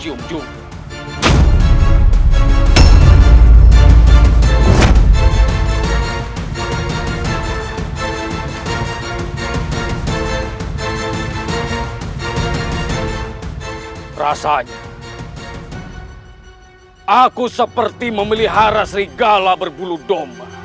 aku harus tetap mencari bunda